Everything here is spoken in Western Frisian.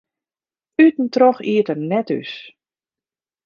Ut en troch iet er net thús.